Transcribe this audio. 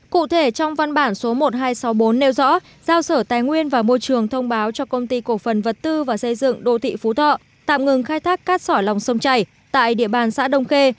cụ thể trong văn bản số một nghìn hai trăm sáu mươi bốn nêu rõ giao sở tài nguyên và môi trường thông báo cho công ty cổ phần vật tư và xây dựng đô thị phú thọ tạm ngừng khai thác cát sỏi lòng sông chảy tại địa bàn xã đông khê